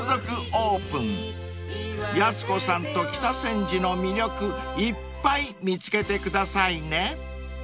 ［やす子さんと北千住の魅力いっぱい見つけてくださいね］